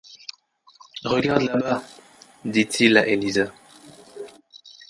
Regarde là-bas ! Dit-il à Elisa